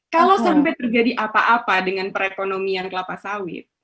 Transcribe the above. kalau sampai terjadi apa apa dengan perekonomian kelapa sawit